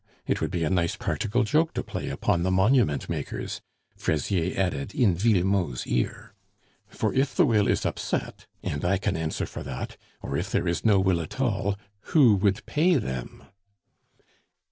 It would be a nice practical joke to play upon the monument makers," Fraisier added in Villemot's ear; "for if the will is upset (and I can answer for that), or if there is no will at all, who would pay them?"